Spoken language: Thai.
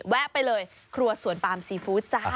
ไปเลยครัวสวนปามซีฟู้ดจ้า